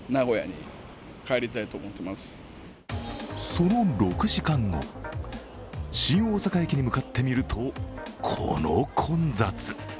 その６時間後、新大阪駅に向かってみると、この混雑。